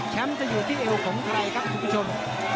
จะอยู่ที่เอวของใครครับคุณผู้ชม